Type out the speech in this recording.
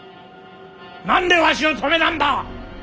何でわしを止めなんだ！